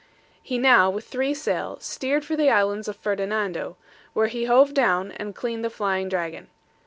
_] He now, with three sail, steered for the island of Ferdinando, where he hove down and cleaned the Flying Dragon.